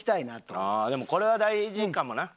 ああでもこれは大事かもな。